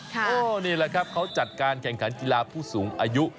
นี่แหละครับเขาจัดการแข่งขันกีฬาผู้สูงอายุ